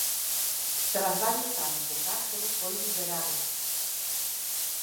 Tras varios anos de cárcere foi liberado.